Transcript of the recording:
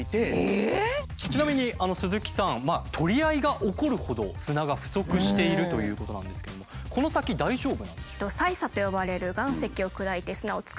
ちなみに鈴木さん取り合いが起こるほど砂が不足しているということなんですけどこの先大丈夫？